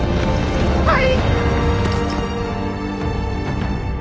はい。